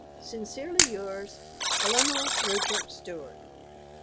Sincerely yours, ELINORE RUPERT STEWART.